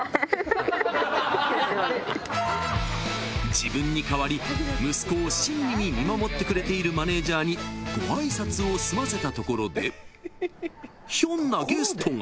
［自分に代わり息子を親身に見守ってくれているマネジャーにご挨拶を済ませたところでひょんなゲストが］